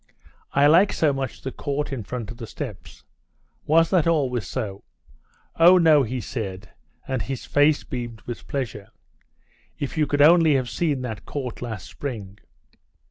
"I like so much the court in front of the steps. Was that always so?" "Oh, no!" he said, and his face beamed with pleasure. "If you could only have seen that court last spring!"